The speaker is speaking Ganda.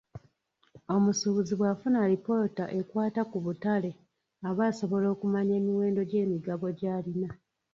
Omusuubuzi bw'afuna alipoota ekwata ku butale aba asobola okumanya emiwendo gy'emigabo gy'alina.